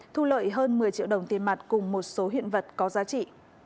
thu lợi hơn một mươi triệu đồng tiền mặt cùng một số hiện vật có giá trị